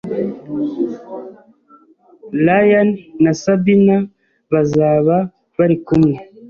ryan na sabina bazaba bari kumwe.